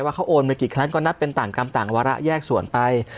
ว่าเขาโอนไปกี่ครั้งก็นับเป็นต่างกรรมต่างวาระแยกส่วนไป